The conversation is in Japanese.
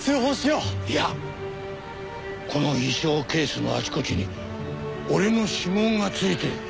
いやこの衣装ケースのあちこちに俺の指紋がついてる。